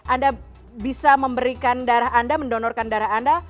anda bisa memberikan darah anda mendonorkan darah anda